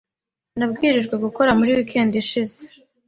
Nabwirijwe gukora muri weekend ishize.